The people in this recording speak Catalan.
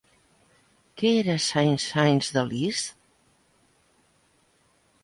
Què era Saint-Saëns de Liszt?